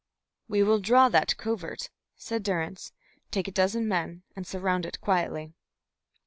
"We will draw that covert," said Durrance. "Take a dozen men and surround it quietly."